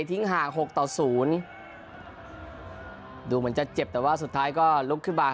ทิ้งห่าง๖๐ดูเหมือนจะเจ็บแต่ว่าสุดท้ายก็ลุกขึ้นมา